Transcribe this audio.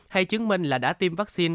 hay chứng minh là đã tiêm vaccine